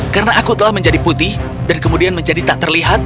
karena aku telah menjadi putih dan kemudian menjadi tak terlihat